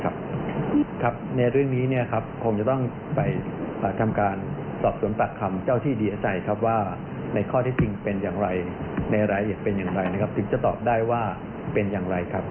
เป็นอย่างไรโดยเรียนซักสาร